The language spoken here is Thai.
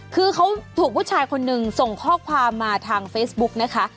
คือเขาถูกผู้ชายคนหนึ่งส่งข้อความมาทางเฟซบุ๊กนะคะ